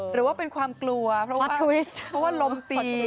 หรือว่าเป็นความกลัวเพราะว่าลมตี